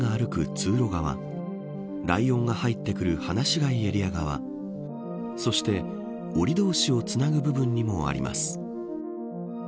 通路側ライオンが入ってくる放し飼いエリア側そして、おり同士をつなぐ部分にもあります。